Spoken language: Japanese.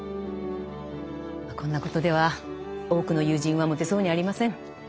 こんなことでは多くの友人は持てそうにありません。